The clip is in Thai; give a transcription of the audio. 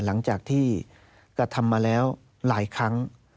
หลังจากที่กระทำมาแล้วหลายครั้ง